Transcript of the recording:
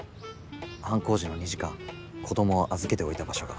犯行時の２時間子供を預けておいた場所が。